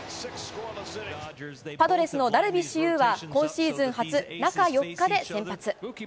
パドレスのダルビッシュ有は、今シーズン初、中４日で先発。